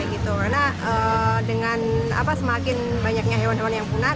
karena dengan semakin banyaknya hewan hewan yang punah